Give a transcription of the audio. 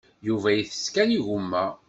Yuba isett kan igumma.